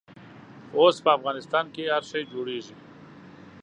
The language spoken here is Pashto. اوس په افغانستان کښې هر شی جوړېږي.